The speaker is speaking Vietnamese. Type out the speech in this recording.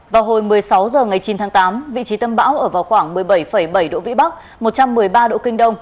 vào hồi một mươi sáu h ngày chín tháng tám vị trí tâm bão ở vào khoảng một mươi bảy bảy độ vĩ bắc một trăm một mươi ba độ kinh đông